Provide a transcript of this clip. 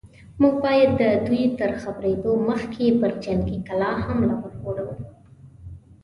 موږ بايد د دوی تر خبرېدو مخکې پر جنګي کلا حمله ور وړو.